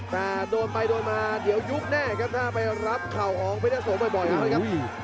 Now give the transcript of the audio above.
แต่โดนไปโดนมาเดี๋ยวยุบแน่ครับถ้าไปรับเข่าของเพชรโสบ่อยแล้วนะครับ